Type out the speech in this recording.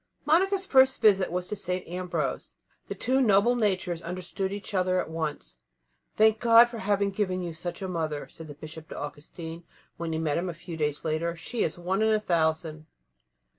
Monica's first visit was to St. Ambrose. The two noble natures understood each other at once. "Thank God for having given you such a mother," said the Bishop to Augustine, when he met him a few days later; "she is one in a thousand."